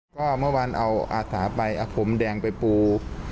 ก็เมื่อวานเอาอาสาไปเอาผมแดงไปปู